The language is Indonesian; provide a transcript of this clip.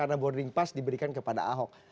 karena boarding pass diberikan kepada ahok